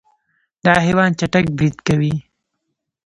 دا حیوان چټک برید کوي.